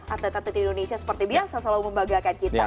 atlet atlet indonesia seperti biasa selalu membagiakan kita ya